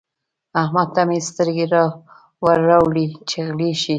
احمد ته مې سترګې ور واړولې چې غلی شه.